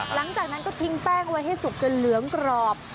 หลังจากนั้นก็ทิ้งแป้งไว้ให้สุกจนเหลืองกรอบ